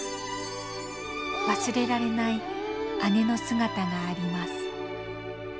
忘れられない姉の姿があります。